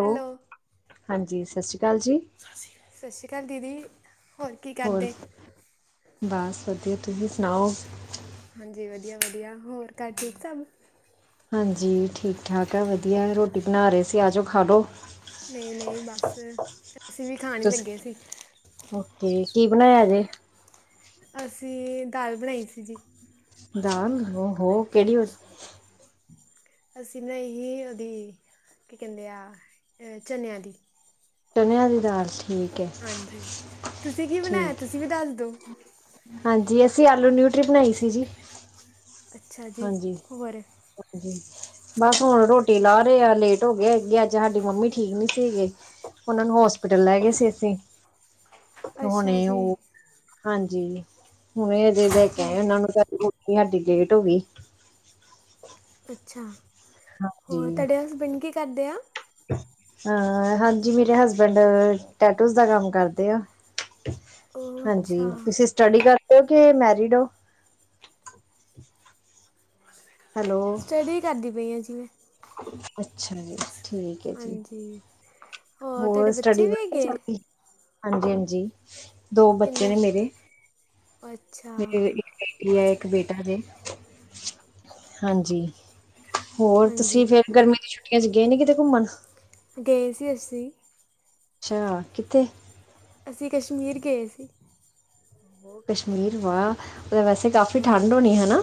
Hello ਸਤਿ ਸ਼੍ਰੀ ਅਕਾਲ ਜੀ। ਸਤਿ ਸ਼੍ਰੀ ਅਕਾਲ ਦੀਦੀ। ਹੋਰ ਕੀ ਹੋਰ ਕਰਦੇ ਬਸ ਵਧੀਆ ਤੁਸੀਂ ਸੁਣਾਓ? ਹਾਂਜੀ ਵਧੀਆ-ਵਧੀਆ ਹੋਰ ਘੱਰ ਠੀਕ ਸਭ। ਹਾਂਜੀ ਠੀਕ-ਠਾਕ ਹੈ ਵਧੀਆ ਰੋਟੀ ਬਣਾ ਰਹੇ ਸੀ ਆ ਜਾਓ ਖਾਾਲੋ। ਨਹੀਂ ਨਹੀਂ ਬਸ ਅਸੀਂ ਵੀ ਖਾਣ ਤੁਸੀਂ ਲੱਗੇ ਸੀ। ਓਕੇ ਕੀ ਬਣਾਇਆ ਜੇ। ਅਸੀਂ ਦਾਲ ਬਣਾਈ ਸੀ ਜੀ। ਦਾਮ ਹੋ ਕਿਹੜੀ ਹੋ। ਅਸੀਂ ਨਹੀਂ ਸੀ ਉਹਦੀ ਕੀ ਕਹਿੰਦੇ ਆ ਚਨਿਆਂ ਦੀ। ਚਣਿਆਂ ਦੀ ਦਾਲ। ਠੀਕ ਹੈ ਹਾਂਜੀ ਤੁਸੀਂ ਕੀ ਬਣਾਇਆ ਠੀਕ ਤੁਸੀਂ ਵੀ ਡਲਦੋ। ਹਾਂਜੀ ਅਸੀਂ ਆਲੂ ਨਿਊਟਰੀ ਬਣਾਈ ਸੀ ਜੀ। ਅੱਛਾ ਜੀ ਹਾਂਜੀ ਖੂ ਬਰ। ਹਾਂਜੀ। [unintelligible] ਬਸ ਹੁਣ ਰੋਟੀ ਲਾ ਰਹੇ ਆ ਲੇਟ ਹੋ ਗਏ ਹੈਗੇ ਅੱਜ ਸਾਡੀ ਮੰਮੀ ਠੀਕ ਨੀ ਸੀਗੇ। ਉਹਨਾਂ ਨੂੰ ਹੋਸਪੀਟਲ ਲੈ ਗਏ ਸੀ ਅਸੀਂ। ਅੱਛਾ ਹੁਣੇ ਜੀ ਉਹ ਹਾਂਜੀ। ਹੁਣ ਅਜੇ ਲੈ ਕੇ ਹੋ ਆ ਉਹਨਾਂ ਨੂੰ ਸਾਡੀ ਲੇਟ ਹੋ ਗਈ। ਅੱਛਾ ਹੋਰ ਤੁਹਾਡੇ ਹਸਬੈਂਡ ਕੀ ਕਰਦੇ ਆ। ਅਹ ਹਾਂਜੀ ਮੇਰੇ ਹਸਬੈਂਡ ਟੈਟੋਸ ਦਾ ਕੰਮ ਕਰਦੇ ਆ। ਉਹ ਅੱਛਾ ਹਾਂਜੀ ਤੁਸੀਂ ਸਟਡੀ ਕਰਦੇ ਹੋ ਕਿ ਮੈਰਿਡ ਹੋ। ਹੈਲੋ ਸਟੱਡੀ ਕਰਦੀ ਪਈ ਆ ਜਿਵੇਂ। ਅੱਛਾ ਜੀ ਠੀਕ ਹੈ ਜੀ। ਅਤੇ। [unintelligible] [inaudible] ਹੋਰ ਸਟੱਡੀ ਵਧਿਆ ਚਲਦੀ। ਹਾਂਜੀ ਹਾਂਜੀ ਦੋ ਬੱਚੇ ਕਿੰਨੇ ਨੇ ਮੇਰੇ। ਅੱਛਾ। ਮੇਰੇ ਇਕ ਬੇਟੀ ਏ ਇੱਕ ਬੇਟਾ ਜੇ। ਹਾਂਜੀ ਹੋਰ ਹਾਂਜੀ ਤੁਸੀ ਫੇਰ ਗਰਮੀ ਦੀ ਛੁੱਟੀ ਛੁੱਟੀਆਂ ਚ ਗਏ ਨੀ ਕਿਤੇ ਘੁੰਮਣ। ਗਏ ਸੀ ਅੱਸੀ। ਅੱਛਾ ਕਿੱਥੇ। ਅਸੀਂ ਕਸ਼ਮੀਰ ਗਏ ਸੀ। ਬ ਕਸ਼ਮੀਰ ਵਾ ਉਹਦੇ ਵੈਸੇ ਕਾਫ਼ੀ ਹਾਂਜੀ ਠੰਡ ਹੋਣੀ ਹਨਾ।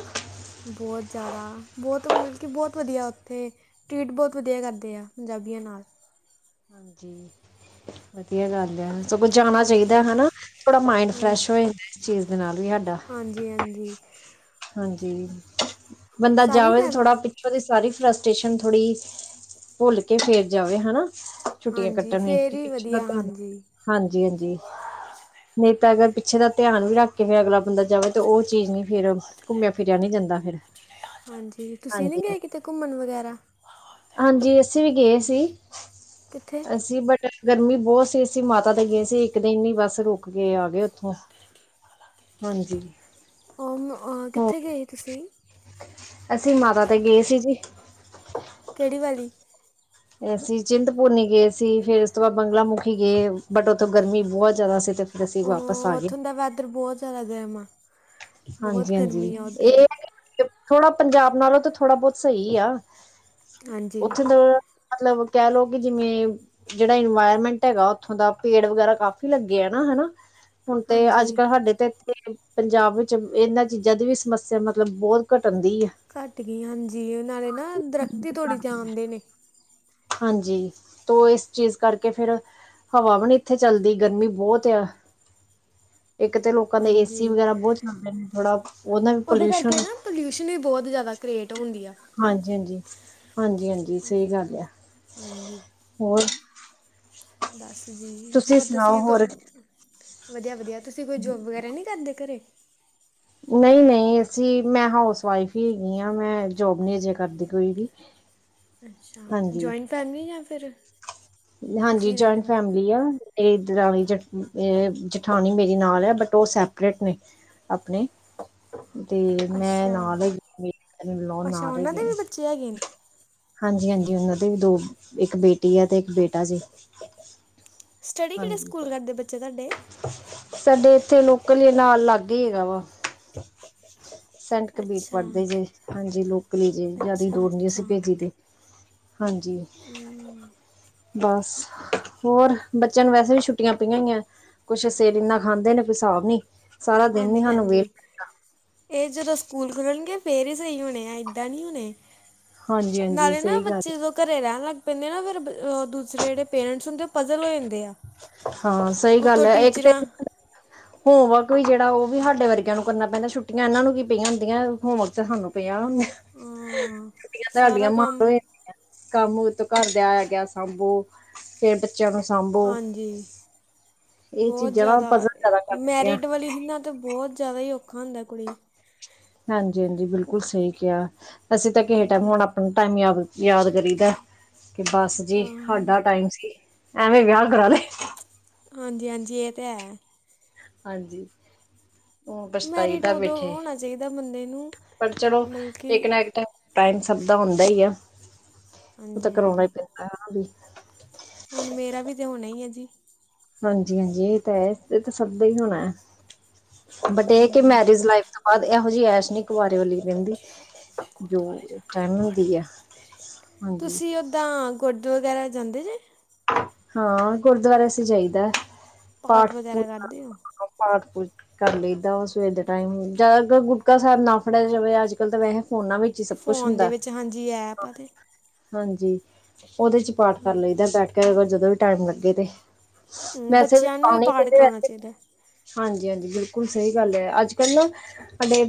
ਬਹੁਤ ਜ਼ਿਆਦਾ ਬਹੁਤ ਮਤਲਬ ਕਿ ਬਹੁਤ ਵਧੀਆ ਉੱਥੇ। ਟਰੀਟ ਬਹੁਤ ਵਧੀਆ ਕਰਦੇ ਆ ਪੰਜਾਬੀਆਂ ਨਾਲ। ਹਾਂਜੀ ਵਧੀਆ ਗੱਲ ਹੈ। ਸਗੋਂ ਜਾਣਾ ਚਾਹੀਦਾ ਹੈ ਹਾਂਜੀ ਹਨਾ ਥੋੜ੍ਹਾ ਮਾਇੰਡ ਹਾਂਜੀ ਫਰੈਸ਼ ਹੋ ਜਾਂਦਾ ਇਸ ਚੀਜ਼ ਦੇ ਨਾਲ ਵੀ ਸਾਡਾ। ਹਾਂਜੀ ਹਾਂਜੀ। ਹਾਂਜੀ ਬੰਦਾ ਸਾਰੀ ਜਾਵੇ ਤੇ ਫੈਮ ਥੋੜਾ ਉਹਦੀ ਸਾਰੀ ਫਰਸਟੇਸ਼ਨ ਥੋੜੀ ਭੁੱਲ ਕੇ ਫੇਰ ਜਾਵੇ ਹਨਾ। ਛੁੱਟੀਆਂ ਹਾਂਜੀ ਕੱਟਣ ਫਿਰ ਤੇ ਹੀ ਪਿੱਛੇ ਵਧੀਆ ਦਾ ਧ ਹਾਂਜੀ ਹਾਂਜੀ ਹਾਂਜੀ। ਨਹੀਂ ਤਾਂ ਅਗਰ ਪਿੱਛੇ ਦਾ ਧਿਆਨ ਵੀ ਰੱਖ ਕੇ ਫਿਰ ਅਗਲਾ ਬੰਦਾ ਜਾਵੇ ਤਾਂ ਉਹ ਚੀਜ਼ ਨਹੀ ਫੇਰ। ਘੁੰਮਿਆ ਫਿਰਿਆ ਨੀ ਜਾਂਦਾ ਫਿਰ। ਹਾਂਜੀ ਤੁਸੀਂ ਨੀ ਹਾਂਜੀ ਗਏ ਕਿਤੇ ਘੁੰਮਣ ਵਗੈਰਾ। ਹਾਂਜੀ ਅਸੀਂ ਵੀ ਗਏ ਸੀ। ਕਿੱਥੇ ਅਸੀਂ ਬਟਰ। ਗਰਮੀ ਬਹੁਤ ਸੀ ਅਸੀਂ ਮਾਤਾ ਦੇ ਗਏ ਸੀ। ਇੱਕ ਦਿਨ ਹੀ ਬਸ ਰੁਕ ਕੇ ਆ ਗਏ ਉੱਥੋਂ। ਹਾਂਜੀ। ਹਾਂ ਹੋ ਕਿੱਥੇ ਗਏ ਤੁਸੀ। ਅਸੀਂ ਮਾਤਾ ਤੇ ਗਏ ਸੀ ਜੀ। ਕਿਹੜੀ ਵਾਲੀ ਅਸੀਂ ਚਿੰਤਪੁਰਨੀ ਗਏ ਸੀ। ਫਿਰ ਉਸ ਤੋਂ ਬਾਅਦ ਬੰਗਲਾਮੁਖੀ ਗਏ ਬਟ ਉੱਥੋਂ ਗਰਮੀ ਬਹੁਤ ਜ਼ਿਆਦਾ ਸੀ ਤੇ। ਦਸੀਬਾ ੳਹ ਉੱਥੋਂ ਦਾ ਵੈਦਰ ਬਹੁਤ ਜ਼ਿਆਦਾ ਗਰਮ ਆ। ਬਹੁਤ ਹਾਂਜੀ ਹਾਂਜੀ। ਗਰਮੀ ਆ ਉੱਧਰ ਥੋੜਾ ਪੰਜਾਬ ਨਾਲੋਂ ਤਾਂ ਥੋੜਾ ਬਹੁਤ ਸਹੀ ਆ ਹਾਂਜੀ ਉੱਥੇ ਮਤਲਬ ਕਹ ਲੋਓ ਕਿ ਜਿਵੇਂ ਜਿਹੜਾ ਇਨਵਾਇਰਮੈਂਟ ਹੈਗਾ ਉੱਥੋਂ ਦਾ ਪੇੜ ਵਗੈਰਾ ਕਾਫੀ ਲੱਗੇ ਆ ਨਾ ਹੈਨਾ। ਹੁਣ ਤੇ ਅੱਜ ਹਾਂਜੀ ਕੱਲ ਸਾਡੇ ਤੇ ਇੱਥੇ ਪੰਜਾਬ ਵਿੱਚ ਇਹਨਾਂ ਚੀਜ਼ਾਂ ਦੀ ਵੀ ਸਮੱਸਿਆ ਮਤਲਬ ਬਹੁਤ ਘਟਣ ਦੀ ਘੱਟ ਗਈ ਹਾਂਜੀ ਨਾਲੇ ਨਾ ਦਰੱਖਤ ਹੀ ਤੋੜੀ ਜਾਣਦੇ ਨੇ। ਹਾਂਜੀ ਤੋ ਇਸ ਚੀਜ਼ ਕਰਕੇ ਫੇਰ ਹਵਾ ਵੀ ਨੀ ਇੱਥੇ ਚੱਲਦੀ ਗਰਮੀ ਬਹੁਤ ਆ। ਇੱਕ ਤਾਂ ਲੋਕਾਂ ਦੇ ਏਸੀ ਹਾਂਜੀ ਵਗੈਰਾ ਬਹੁਤ ਚੱਲਦੇ ਨੇ ਥੋੜਾ ਉਹਦਾ ਨਾਲ ਵੀ ਉਹਦੇ ਪੋਲਿਊਸ਼ਨ ਕਰਕੇ ਨਾ ਪੋਲਿਊਸ਼ਨ ਵੀ ਬਹੁਤ ਜ਼ਿਆਦਾ ਕ੍ਰੀਏਟ ਹੁੰਦੀਆਂ। ਹਾਂਜੀ ਹਾਂਜੀ ਹਾਂਜੀ ਹਾਂਜੀ ਸਹੀ ਗੱਲ ਆ ਹਾਂਜੀ ਹੋਰ ਬਸ ਜੀ ਹੋਰ ਸੁਣਾਓ ਤੁਸੀਂ ਹੋਰ ਤਾਨੁ ਵਧੀਆ ਵਧੀਆ। ਤੁਸੀਂ ਕੋਈ ਜੋਬ ਵਗੈਰਾ ਨਹੀ ਕਰਦੇ ਘਰੇ। ਨਹੀਂ ਨਹੀਂ ਅਸੀਂ ਮੈਂ ਹਾਊਸ ਵਾਈਫ ਹੀ ਹੇਗੀ ਹਾਂ ਮੈਂ ਜੋਬ ਨਹੀਂ ਜੇ ਕਰਦੀ ਕੋਈ ਵੀ। [inaudible] ਅੱਛਾ ਹਾਂਜੀ। ਜੁਆਇੰਟ ਫੈਮਲੀ ਜਾਂ ਫਿਰ ਹਾਂਜੀ ਤੁਸੀਂ ਰਹਿੰਦੇ ਜੁਆਇੰਟ ਬਸ ਫੈਮਲੀ ਆ। ਇਹ ਦਰਾਣੀ ਇਹ ਜਠਾਾਨੀਂ ਮੇਰੀ ਨਾਲ ਹੈ ਬਟ ਉਹ ਸੈਪਰੇਟ ਨੇ। ਆਪਣੇ ਤੇ ਮੈਂ ਅੱਛਾ ਨਾਲ ਹੈਗੀੇ ਨਾਲ ਹੈਗੇ ਨੇ। ਤਿਆ ਕਿ ਨਹੀਂ। ਹਾਂਜੀ ਹਾਂਜੀ ਉਹਨਾਂ ਦੇ ਇੱਕ ਬੇਟੀ ਆ ਤੇ ਇੱਕ ਬੇਟਾ ਜੇ। ਸਟੱਡੀ ਕਿਹੜੇ ਸਕੂਲ ਕਰਦੇ ਬੱਚੇ ਤੁਹਾਡੇ? ਸਾਡੇ ਇੱਥੇ ਲੋਕਲ ਨਾਲ ਲਾਗੇ ਹੇਗਾ ਵਾ। ਸੈਂਟ ਕਬੀਰ ਅੱਛਾ ਪੜ੍ਹਦੇ ਜੇ ਹਾਂਜੀ ਲੋਕਲੀ ਜੇ ਜਿਆਦਾ ਅੱਛਾ ਦੂਰ ਜ ਅੱਛਾ ਅਸੀਂ। ਭੇਜੀ ਹਾਂਜੀ। ਹਮ, ਬਸ ਹੋਰ ਬੱਚਿਆਂ ਨੂੰ ਵੈਸੇ ਵੀ ਛੁੱਟੀਆਂ ਪਈਆਂ ਹੀਈਆਂ। ਕੁਛ ਸਿਰ ਇਨਾ ਖਾਂਦੇ ਨੇ ਕੋਈ ਹਿਸਾਬ ਨੀ। ਸਾਰਾ ਦਿਨ ਨੀ ਹਾਂਜੀ ਸਾਨੂੰ ਵੇਲ ਹਾਂਜੀ। ਇਹ ਜਦੋਂ ਸਕੂਲ ਖੁਲਣਗੇ ਫੇਰ ਹੀ ਸਹੀ ਹੋਣੇ ਆ ਏਦਾਂ ਨਹੀਂ ਹੋਣੇ। ਹਾਂਜੀ ਹਾਂਜੀ ਨਾਲੇ ਨਾ ਸਹੀ ਗੱਲ ਬੱਚੇ ਤੋ ਹੈ ਘਰੇ ਰਹਿਣ ਲੱਗ ਪੈਂਦੇ ਨਾ ਫੇਰ ਦੂਸਰੇ ਜਿਹੜੇ ਪੇਰੈਂਟਸ ਹੁੰਦੇ ਉਹ ਪਜ਼ਲ ਹੋ ਜਾਂਦੇ ਆ। ਹਾਂ ਸਹੀ ਗੱਲ ਉਤੋਂ ਏ ਇੱਕ ਤੇ ਟੀਚਰਾਂ ਹੋਮਵਰਕ ਵੀ ਜਿਹੜਾ ਉਹ ਵੀ ਸਾਡੇ ਵਰਗਿਆਂ ਨੂੰ ਕਰਨਾ ਪੈਂਦਾ ਛੁੱਟੀਆਂ ਇਹਨਾਂ ਨੂੰ ਕੀ ਪਈਆਂ ਹੁੰਦੀਆਂ ਹੋਮਵਰਕ ਤਾਂ ਸਾਨੂੰ ਪਈਆਂ। ਹਾਂ ਛੁੱਟੀਆਂ ਸਾਡੀਆਂ ਸਾਰਾ ਮਾ ਕੰਮ ਵੇ ਕੰਮ ਤੋਂ ਘਰ ਦਿਆ ਆਇਆ ਗਿਆ ਸਾਂਭੋ ਫੇਰ ਬੱਚਿਆਂ ਨੂੰ ਸਾਂਭੋ। ਹਾਂਜੀ ਇਹ ਬਹੁਤ ਚੀਜ਼ਾਂ ਨਾ ਜ਼ਿਆਦਾ ਪਜ਼ਲ ਜ਼ਿਆਦਾ ਕਰਦੀਆਂ ਮੈਰਿਡ ਵਾਲੀ ਹੀ ਨਾ ਤਾਂ ਬਹੁਤ ਜ਼ਿਆਦਾ ਹੀ ਔਖਾ ਹੁੰਦਾ ਕੁੜੀ। ਹਾਂਜੀ ਹਾਂਜੀ ਬਿਲਕੁਲ ਸਹੀ ਕਿਹਾ ਅਸੀਂ ਤਾਂ ਕੇ ਟਾਈਮ ਹਾਂਜੀ ਹੁਣ ਟਾਈਮ ਯਾਦ ਯਾਦ ਕਰੀ ਦਾ ਕਿ ਬਸ ਜੀ ਹਾਂ ਸਾਡਾ ਟਾਈਮ ਸੀ। ਐਵੇਂ ਵਿਆਹ ਕਰਾ ਲਏ। ਹਾਂਜੀ ਹਾਂਜੀ ਇਹ ਤਾਂ ਹੈ। ਹਾਂਜੀ। ਹੁਣ ਪਸਤਾਈ ਮੈਰਿਟ ਦਾ ਉਦੋਂ ਬੈਠੇ ਹੋਣਾ ਚਾਹੀਦਾ ਬੰਦੇ ਨੂੰ ਪਰ ਚਲੋ ਮਤਲਬ ਕਿ ਇੱਕ ਨਾ ਇੱਕ ਤਾਂ। ਟਾਈਮ ਸਭ ਦਾ ਹੁੰਦਾ ਹੀ ਆ ਉਹ ਤਾਂ ਹਾਂਜੀ ਕਰਾਉਣਾ ਹੀ ਹਾਂਜੀ ਪੈਂਦਾ ਹੈ ਵੀ। ਹੁਣ ਮੇਰਾ ਵੀ ਤਾਂ ਹੋਣਾ ਐ ਜੀ। ਹਾਂਜੀ ਹਾਂਜੀ ਇਹ ਤਾਂ ਹੈ ਇਹ ਤਾਂ ਸਭ ਦਾ ਹੀ ਹੋਣਾ ਹੈ ਬਟ ਇਹ ਕਿ ਹਾਂਜੀ ਮੈਰਿਜ ਲਾਈਫ ਤ। ਬਾਦ ਇਹੋ ਜਿਹੀ ਐਸ਼ ਨੀ ਕੁਆਰੇ ਵਾਲੀ ਰਹਿੰਦੀ ਜੋ ਟਾਈਮ ਹੁੰਦੀ ਆ। ਹਾਂਜੀ ਤੁਸੀਂ ਉੱਦਾਂ ਗੋਡ ਵਗੈਰਾ ਜਾਂਦੇ ਜੇ? ਹਾਂ ਗੁਰਦੁਆਰੇ ਅਸੀ ਜਾਈਦਾ। ਪਾਠ ਵਗੈਰਾ ਕਰਦੇ ਹੋ। [unintelligible] ਕਰ ਲਈਦਾ ਸਵੇਰ ਦੇ ਟਾਈਮ ਹੁਨ ਜ਼ਿਆਦਾਤਰ ਗੁਟਕਾ ਸਾਹਿਬ ਨਾ ਫੜਿਆ ਜਾਵੇ ਅੱਜ--ਕੱਲ ਤਾਂ ਵੈਸੇ ਫੋਨਾਂ ਵਿੱਚ ਸਭ ਕੁਛ ਫੋਨ ਦੇ ਹੁੰਦਾ, ਵਿੱਚ ਹਾਂਜੀ ਐਪ ਆ ਤੇ ਹਾਂਜੀ ਓਦੇ 'ਚ ਪਾਠ ਕਰ ਲਈਦਾ ਬੈਠ ਤੇ ਅਗਰ ਜਦੋਂ ਵੀ ਟਾਈਮ ਲੱਗੇ ਤੇ ਵੈਸੇ ਵੀ ਬੱਚਿਆਂ ਨੂੰ ਪਾਠ ਕਰਾਉਣਾ [unintelligible] ਚਾਹੀਦਾ ਹਾਂਜੀ-ਹਾਂਜੀ ਬਿਲਕੁਲ ਸਹੀ ਗੱਲ ਐ ਅੱਜ-ਕੱਲ੍ਹ ਨਾ ਸਾਡੇ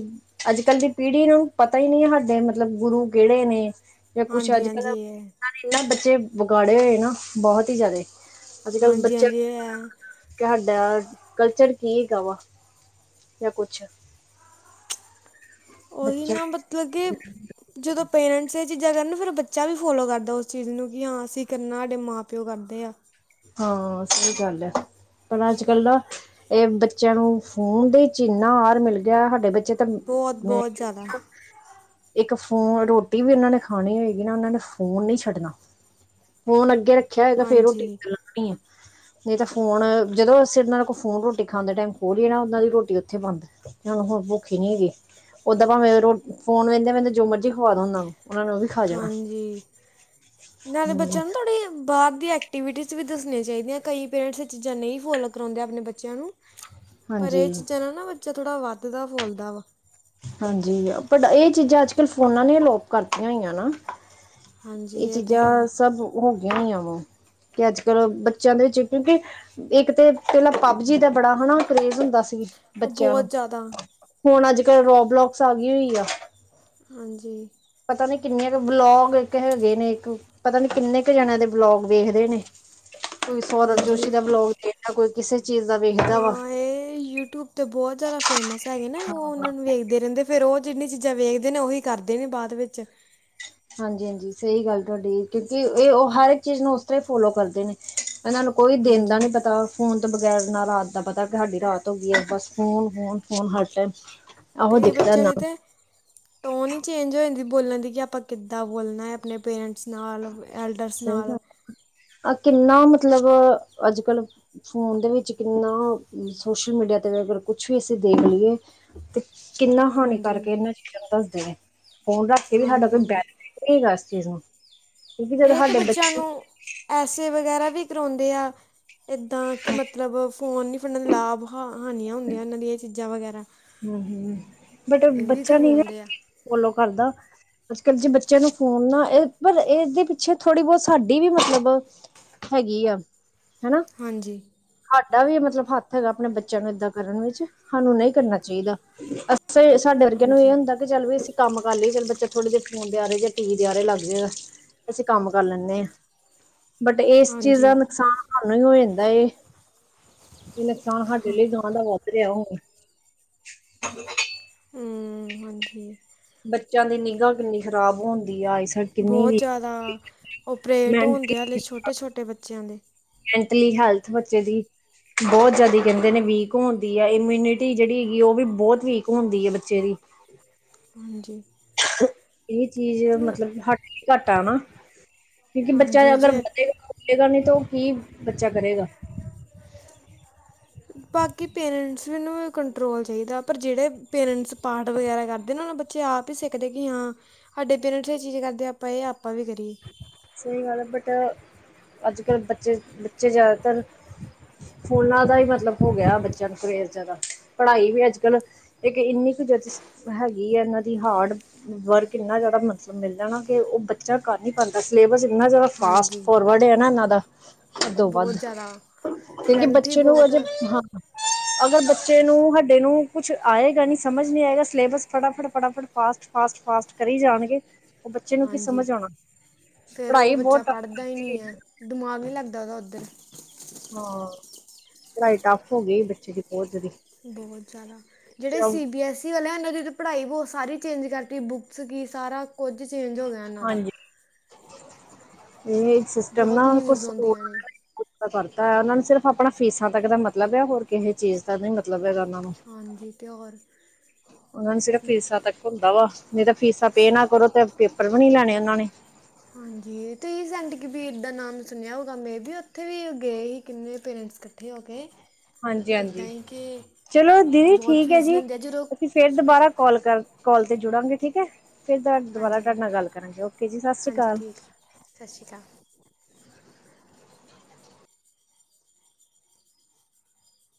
ਅੱਜ-ਕੱਲ੍ਹ ਦੀ ਪੀੜ੍ਹੀ ਨੂੰ ਪਤਾ ਈ ਨਈ ਹੈ ਸਾਡੇ ਮਤਲਬ ਗੁਰੂ ਕਿਹੜੇ ਨੇ। ਤੇ ਕੁਛ ਹਾਂਜੀ ਅੱਜ-ਕੱਲ੍ਹ ਹਾਂਜੀ ਇਹ ਇੰਨੇ ਬੱਚੇ ਵਿਗਾੜੇ ਹੋਏ ਨਾ ਬਹੁਤ ਈ ਜਾਦੇ। ਅੱਜ-ਕੱਲ੍ਹ ਹਾਂਜੀ ਬੱਚੇ ਹਾਂਜੀ ਇਹ ਹੈ ਕਿ ਸਾਡਾ ਕਲਚਰ ਕੀ ਹੈਗਾ ਵਾ ਯਾ ਕੁਛ ਓਹੀ ਬੱਚਾ ਨਾ ਮਤਲਬ ਕੇ ਜਦੋਂ ਪੇਰੈਂਟਸ ਐ ਚੀਜ਼ਾਂ ਕਰਨ ਫਿਰ ਬੱਚਾ ਵੀ ਫੋਲੋ ਕਰਦਾ ਉਸ ਚੀਜ਼ ਨੂੰ ਕਿ ਹਾਂ ਅਸੀਂ ਕਰਨਾ, ਸਾਡੇ ਮਾਂ ਪਿਓ ਕਰਦੇ ਆ। ਹਾਂ, ਸਹੀ ਗੱਲ ਐ ਪਰ ਅੱਜ ਕੱਲ੍ਹ ਨਾ ਏ ਬੱਚਿਆਂ ਨੂੰ ਫੋਨ ਦੇ ਵਿੱਚ ਇੰਨਾ ਆਰ ਮਿਲ ਗਿਆ ਸਾਡੇ ਬੱਚੇ ਤਾਂ ਮੈਂ ਬੋਤ-ਬੋਤ ਕਹਿੰਦੀ ਜਾਦਾ। ਹਾਂ ਇੱਕ ਫੋਨ ਰੋਟੀ ਵੀ ਉਹਨਾਂ ਨੇ ਖਾਨੀ ਹੋਏਗੀ ਨਾ ਓਨਾਂ ਨੇ ਫੋਨ ਨੀ ਛੱਡਨਾ। ਫੋਨ ਅੱਗੇ ਰੱਖਿਆ ਹੋਏਗਾ ਫੇਰ ਰੋਟੀ। ਹਾਂਜੀ [unintelligible] ਨਹੀਂ ਤਾਂ ਫੋਨ ਜਦੋਂ ਅਸੀਂ ਏਨਾਂ ਨਾਲ ਕੋਲ ਫੋਨ ਰੋਟੀ ਖਾਣ ਦੇ ਟਾਈਮ [unintelligible] ਏਨਾਂ ਦੀ ਰੋਟੀ ਓਥੇ ਬੰਦ। ਹੁਨ, ਹੁਨ ਭੁੱਖੀ ਹੀ ਨੀ ਹੈਗੀ ਓਦਾਂ ਭਾਵੇਂ ਫੋਨ ਵੇੰਦੇ ਵੇੰਦੇ ਜੋ ਮਰਜੀ ਖਵਾ ਦੋ ਓਨਾਂ ਨੂੰ। ਉਹਨਾਂ ਨੇ ਉਹ ਵੀ ਖਾ ਜਾਣਾ ਹਾਂਜੀ ਨਾਲੇ ਹਮ, ਬੱਚਿਆਂ ਨੂੰ ਥੋੜੀ ਬਾਰ ਦੀ ਐ ਐਕਟੀਵਿਟੀਜ਼ ਵੀ ਦੱਸੀਆਂ ਚਾਹੀਦੀਆਂ, ਕਈ ਪੇਰੈਂਟਸ ਐ ਚੀਜ਼ਾਂ ਨਹੀਂ ਫੋਲੋ ਕਰਵਾਉਂਦੇ ਅਪਨੇ ਬੱਚਿਆਂ ਨੂੰ। ਪਰ ਏ ਹਾਂਜੀ ਚੀਜ਼ਾਂ ਨਾਲ ਨਾ ਬੱਚਾ ਥੋੜ੍ਹਾ ਵੱਧਦਾ, ਫੁਲਦਾ ਵਾ ਹਾਂਜੀ ਬਟ ਐ ਚੀਜ਼ਾਂ ਅੱਜ-ਕੱਲ ਫੋਨਾਂ ਨੇ ਅਲੋਪ ਕਰਤੀਆਂ ਹੋਈਆਂ ਨਾ। ਹਾਂਜੀ ਏ ਇਹ ਤਾਂ ਹੈ ਚੀਜ਼ਾਂ ਸਭ ਹੋ ਗਈਆਂ ਹੋਈਆਂ ਵਾ ਤੇ ਅੱਜ-ਕੱਲ ਬੱਚਿਆਂ ਦੇ ਵਿੱਚ ਕਿਉਂਕਿ ਇੱਕ ਤੇ ਪਹਿਲਾਂ ਪਬਜੀ ਦਾ ਬੜਾ ਹਨਾ ਕਰੇਜ ਹੁੰਦਾ ਸੀ। ਉਹ ਬੱਚਿਆਂ ਨੂੰ, ਬਹੁਤ ਜ਼ਿਆਦਾ ਹੁਣ ਅੱਜ-ਕੱਲ੍ਹ ਰੋ ਬਲੋਕਸ ਆ ਗਈ ਹੋਈ ਐ। ਹਾਂਜੀ। ਪਤਾ ਨੀ ਕਿੰਨੇ ਕੁ ਬਲੋਗ ਇੱਕ ਹੈਗੇ ਨੇ ਇੱਕ ਪਤਾ ਨਹੀਂ ਕਿੰਨੇ ਕੁ ਜਣਿਆਂ ਦੇ ਵਲੋਗ ਵੇਖਦੇ ਨੇ। ਕੋਈ ਸੋਰਭ ਜੋਸ਼ੀ ਹਾਂਜੀ ਦਾ ਵਲੋਗ ਦੇਖਦਾ, ਕੋਈ ਕਿਸੇ ਚੀਜ਼ ਦਾ ਵੇਖਦਾ ਵਾ। ਏ ਯੂਟਿਊਬ ਤੇ ਬੋਤ ਜਾਦਾ ਫੇਮਸ ਹੈਗੇ ਨਾ, ਓ ਓਨਾਂ ਨੂੰ ਵੇਖਦੇ ਰਹਿੰਦੇ। ਫੇਰ ਓ ਜਿੰਨੀ ਚੀਜ਼ਾਂ ਵੇਖਦੇ ਨੇ ਓਹੀ ਕਰਦੇ ਨੇ ਬਾਦ ਵਿੱਚ। ਹਾਂਜੀ-ਹਾਂਜੀ, ਸਹੀ ਗੱਲ ਤੁਹਾਡੀ ਕਿਉਂਕਿ ਏ ਓ ਹਰ ਇੱਕ ਚੀਜ਼ ਨੂੰ ਉਸ ਤਰ੍ਹਾਂ ਹੀ ਫੋਲੋ ਕਰਦੇ ਨੇ ਇਹਨਾਂ ਨੂੰ ਕੋਈ ਦਿਨ ਦਾ ਨੀ ਹਾਂਜੀ ਪਤਾ। ਫੋਨ ਤੋਂ ਬਗੈਰ ਨਾ ਰਾਤ ਦਾ ਪਤਾ ਕਿ ਸਾਡੀ ਰਾਤ ਹੋ ਗਈ ਐ, ਬਸ ਫੋਨ, ਫੋਨ, ਫੋਨ ਹਰ ਟਾਈਮ। ਆਹੋ ਕਈ ਦਿਖਦਾ ਬੱਚਿਆਂ ਨਾ ਦੀ ਤੇ ਟੋਨ ਈ ਚੇਂਜ ਹੋ ਜਾਂਦੀ ਬੋਲਣ ਦੀ ਕਿ ਆਪਾਂ ਕਿੱਦਾਂ ਬੋਲਣਾ ਹੈ ਆਪਨੇ ਪੇਰੈਂਟਸ ਨਾਲ, ਐਲਡਰਸ ਸਹੀ ਨਾਲ। ਗੱਲ ਆ ਕਿੰਨਾ ਮਤਲਬ ਅੱਜ-ਕੱਲ੍ਹ ਫੋਨ ਦੇ ਵਿੱਚ ਕਿੰਨਾ ਸੋਸ਼ਲ ਮੀਡੀਆ 'ਤੇ ਅਗਰ ਕੁਛ ਵੀ ਅਸੀਂ ਦੇਖ ਲਈਏ ਤੇ ਕਿੰਨਾ ਹਾਨੀ ਹਾਂਜੀ ਕਾਰਕ ਏ ਏਨਾਂ ਚੀਜ਼ਾਂ ਨੂੰ ਦੱਸਦੇ ਨੇ, ਫੋਨ ਰੱਖ ਕੇ ਵੀ ਸਾਡਾ ਹਾਂਜੀ ਕੋਈ ਹਾਂਜੀ ਬੈਠ [unintelligible] ਏਸ ਚੀਜ਼ ਨੂੰ। ਕਿਉਂਕਿ ਜਦੋਂ ਏ ਤੇ ਸਾਡੇ ਬੱਚਿਆਂ ਬੱਚੇ ਨੂੰ ਐਸੇ ਵਗੈਰਾ ਵੀ ਕਰਵਾਉਂਦੇ ਆ, ਇੱਦਾਂ ਕਿ ਮਤਲਬ ਫੋਨ ਨਹੀਂ ਫੜਨ ਦਾ ਲਾਭ ਹਾਂ ਹਾਨੀਆਂ ਹੁੰਦੀਆਂ ਏਨਾਂ ਦੀ ਚੀਜ਼ਾਂ ਵਗੈਰਾ। ਹੂੰ, ਹੂੰ, ਬਟ ਇਹ ਵੀ ਬੱਚਾ ਨੀ ਨਾ ਕਰਵਾਉਂਦੇ ਆ ਫੋਲੋ ਕਰਦਾ। ਅੱਜ ਕਲ ਜੇ ਬੱਚਿਆਂ ਨੂੰ ਫੋਨ ਨਾ ਏ ਪਰ ਏਦੇ ਪਿੱਛੇ ਥੋੜੀ ਬੋਤ ਸਾਡੀ ਵੀ ਮਤਲਬ ਹੈਗੀ ਆ ਹਨਾ। ਹਾਂਜੀ। ਸਾਡਾ ਵੀ ਮਤਲਬ ਹੱਥ ਹੈਗਾ ਅਪਨੇ ਬੱਚਿਆਂ ਨੂੰ ਏਦਾਂ ਕਰਨ ਵਿੱਚ ਸਾਨੂੰ ਨਹੀਂ ਕਰਨਾ ਚਾਈਦਾ। ਸਹੀ ਸਾਡੇ ਵਰਗਿਆਂ ਨੂੰ ਏ ਹਾਂਜੀ ਹੁੰਦਾ ਚੱਲ ਵੀ ਅਸੀਂ ਕੰਮ ਕਰ ਲਈਏ, ਚੱਲ ਬੱਚਾ ਥੋੜੇ ਦੇਰ ਫੋਨ ਦੇ ਆਹੇ ਜਾਂ ਟੀ ਵੀ ਦੇ ਆਰੇ ਲੱਗ ਜੇਗਾ। ਅਸੀਂ, ਕੰਮ ਕਰ ਲੈਂਨੇ ਹਾਂ ਬਟ ਇਸ ਚੀਜ਼ ਦਾ, ਹਾਂਜੀ ਨੁਕਸਾਨ ਸਾਨੂੰ ਹੀ ਹੋ ਜਾਂਦਾ, ਇਹ ਨੁਕਸਾਨ ਸਾਡੇ ਲਈ ਮਲਹੋਤਰੇ ਹੋ? [inaudible] ਹਮ, ਹਾਂਜੀ ਬੱਚਿਆਂ ਦੀ ਨਿਗ੍ਹਾ ਕਿੰਨੀ ਖ਼ਰਾਬ ਹੁੰਦੀ ਆ, ਆਈ ਸਾਈਡ ਬਹੁਤ ਜ਼ਿਆਦਾ, ਓਪਰੇਟ ਹੁੰਦੇ ਹੈ, ਹਲੇ ਮੈਂਟਲੀ ਛੋਟੇ- ਛੋਟੇ ਬੱਚਿਆਂ ਦੇ ਮੈਂਟਲੀ, ਹੈਲਥ ਬੱਚੇ ਦੀ ਬਹੁਤ ਜ਼ਿਆਦੇ, ਕਹਿੰਦੇ ਨੇ ਵੀਕ ਹੁੰਦੀ ਹੈ, ਇਮਿਊਨਿਟੀ ਜਿਹੜੀ ਹੈਗੀ, ਉਹ ਵੀ ਬਹੁਤ ਵੀਕ ਹੁੰਦੀ ਹੈ, ਬੱਚੇ ਦੀ ਹਾਂਜੀ ਇਹ ਚੀਜ਼, ਨ- ਮਤਲਬ ਹੱਟ, ਘੱਟ ਆ ਨਾ? ਕਿਉਂਕਿ, ਬੱਚਾ ਹਾਂਜੀ ਅਗਰ ਜੇ ਵਧੇਗਾ, ਫੁਲੇਗਾ ਨਹੀਂ ਤਾਂ ਉਹ ਕੀ ਬੱਚਾ ਕਰੇਗਾ? ਬਾਕੀ ਪੇਰੈਂਟਸ ਨੂੰ ਕੰਟਰੋਲ ਚਾਹੀਦਾ, ਪਰ ਜਿਹੜੇ ਪੇਰੈਂਟਸ, ਪਾਠ ਵਗੈਰਾ ਕਰਦੇ ਨਾ, ਉਹਨਾਂ ਬੱਚੇ, ਆਪ ਹੀ ਸਿੱਖਦੇ ਕਿ, ਹਾਂ ਸਾਡੇ ਪੇਰੈਂਟਸ ਇਹ ਚੀਜ਼ ਕਰਦੇ, ਆਪਾਂ ਇਹ ਆਪਾਂ ਵੀ ਕਰੀਏ ਸਹੀ ਗੱਲ ਹੈ, ਬਟ ਅੱਜ -ਕੱਲ੍ਹ ਬੱੱਚੇ, ਬੱਚੇ ਜ਼ਿਆਦਾਤਰ ਫੋਨਾਂ ਦਾ ਹੀ ਮਤਲਬ ਹੋ ਗਿਆ, ਬੱਚਿਆਂ ਨੂੰ ਕਰੇਜ਼ ਜ਼ਿਆਦਾ ਪੜ੍ਹਾਈ ਵੀ ਅੱਜ ਕੱਲ [unintelligible] ਹੈਗੀ ਹੈ, ਇਹਨਾਂ ਦੀ ਹਾਰਡ ਵਰਕ ਇੰਨਾ ਜ਼ਿਆਦਾ ਮਤਲਬ, ਮਿਲ ਜਾਣਾ ਕਿ ਉਹ ਬੱਚਾ ਕਰ ਸਿਲੇਬਸ ਇੰਨਾ, ਜ਼ਿਆਦਾ ਫਾਸਟ ਹਾਂਜੀ ਫੋਰਵਰਡ ਹੈ ਨਾ, ਇਹਨਾਂ ਦਾ ਅਧੋਂ, ਬਹੁਤ ਵੱਧ ਜ਼ਿਆਦਾ ਕਿਉਂਕਿ ਲੈਂਥੀ ਬੱਚੇ ਨੂੰ, ਬਹੁਤ ਅਜੇ ਹਾਂ ਅਗਰ ਬੱਚੇ ਨੂੰ, ਸਾਡੇ ਨੂੰ ਕੁਛ ਆਏਗਾ ਨੀ, ਸਮਝ ਨਹੀ ਆਏਗਾ, ਸਿਲੇਬਸ ਫਟਾਫਟ- ਫਟਾਫਟ, ਫਾਸਟ। ਫਾਸਟ- ਫਾਸਟ ਕਰੀ ਜਾਣਗੇ, ਉਹ ਬੱਚੇ, ਨੂੰ ਕੀ ਸਮਝ ਆਉਣਾ? ਫੇਰ, ਉਹ ਪੜ੍ਹਾਈ ਬਹੁਤ ਬੱਚਾ ਟਫ ਪੜ੍ਹਦਾ ਹੀ ਕਰਤੀ ਨਹੀਂ ਹੈ, ਦਿਮਾਗ ਨਹੀਂ ਲੱਗਦਾ, ਉਹਦਾ ਉੱਧਰ। ਹਾਂ, ਪੜਾਈ, ਟੱਫ ਹੋ ਐ, ਗਈ ਬੱਚੇ ਦੀ। [unintelligible] ਬਹੁਤ ਜ਼ਿਆਦਾ, ਜਿਹੜੇ ਸੀ -ਬੀ- ਐੱਸ ਵਾਲਿਆਂ, ਇਹਨਾਂ ਦੀ ਪੜ੍ਹਾਈ, ਬਹੁਤ ਸਾਰੀ ਚੇਂਜ ਕਰਤੀ, ਬੁੱਕਸ ਕੀ ਸਾਰਾ, ਕੁੱਝ ਚੇਂਜ ਹੋ ਗਿਆ ਇਹਨਾਂ ਦਾ ਹਾਂਜੀ ਇਹ, ਸਿਸਟਮ ਬਹੁਤ ਨਾ ਕੁਛ ਨਿਊਜ਼ ਆਉਂਦੀਆਂ ਨੇ [unintelligible] ਪਤਾ ਹੈ, ਉਹਨਾਂ ਨੂੰ ਸਿਰਫ਼ ਆਪਣਾ ਫੀਸਾਂ ਤੱਕ ਦਾ ਮਤਲਬ ਹੈ, ਹੋਰ ਕਿਸੇ ਚੀਜ਼ ਦਾ ਨਹੀਂ ਮਤਲਬ ਹੈਗਾ, ਉਹਨਾਂ ਨੂੰ। ਹਾਂਜੀ ਤੇ ਹੋਰ? ਉਹਨਾਂ ਨੂੰ, ਸਿਰਫ ਫੀਸਾਂ ਤੱਕ ਹੁੰਦਾ ਵਾ, ਨਹੀਂ ਤਾਂ ਫੀਸਾਂ ਪੇ ਨਾ ਕਰੋ, ਤੇ ਪੇਪਰ ਵੀ ਨੀ ਲੈਣੇ ਉਹਨਾਂ ਨੇ ਹਾਂਜੀ, ਤੁਸੀ ਸੈਂਟ ਕਬੀਰ ਦਾ ਨਾਮ ਸੁਣਿਆ ਹੋਊਗਾ? ਮੇ, ਬੀ, ਉੱਥੇ ਵੀ ਗਏ ਸੀ, ਕਿੰਨੇ ਪੇਰੈਂਟਸ ਇਕੱਠੇ ਹੋ ਕੇ। ਹਾਂਜੀ -ਹਾਂਜੀ, ਇੱਦਾਂ ਹੀ ਕਿ ਚਲੋ ਦੀਦੀ ਬਹੁਤ ਠੀਕ ਹੈ ਫੀਸ ਜੀ, ਲੈਂਦੇ ਆ ਜਦੋਂ ਅਸੀ ਫੇਰ ਦੁਬਾਰਾ, ਕਾਲ ਕਰ ਕਾਲ ਤੇ ਜੁੜਾਂਗੇ, ਠੀਕ ਹੈ, ਫਿਰ ਦੁਬਾਰਾ ਹਾਂਜੀ ਹਾਂਜੀ ਤੁਹਾਡੇ ਨਾਲ ਗੱਲ ਕਰਾਂਗੇ, ਓਕੇ ਜੀ, ਸਤਿ ਸ੍ਰੀ ਹਾਂਜੀ ਅਕਾਲ। ਠੀਕ ਆ ਸਤਿ ਸ਼੍ਰੀ ਅਕਾਲ